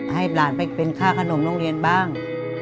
ให้หลานไปเป็นค่าขนมโรงเรียนบ้าง